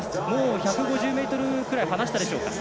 １５０ｍぐらい離したでしょうか。